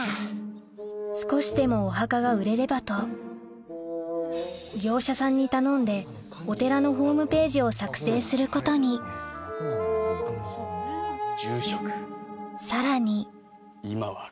少しでもお墓が売れればと業者さんに頼んでお寺のホームページを作成することに住職。